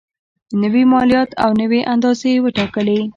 نوي مالیات او نوي اندازې یې وټاکلې.